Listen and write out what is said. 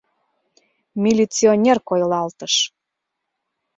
Милиционер койылалтыш.